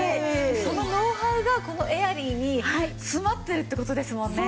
そのノウハウがこのエアリーに詰まってるっていう事ですもんね。